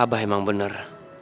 abah emang bener